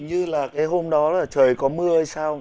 như là cái hôm đó là trời có mưa hay sao